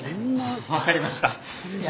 分かりました。